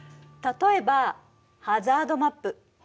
例えばハザードマップ。